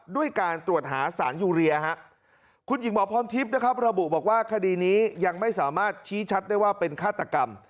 ด้วยการตรวจหาสารยูเรียคุณหญิงหมอพรทิพย์นะครับระบุบอกว่าคดีนี้ยังไม่สามารถชี้ชัดได้ว่าเป็นฆาตกรรม